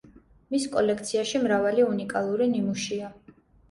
მის კოლექციაში მრავალი უნიკალური ნიმუშია.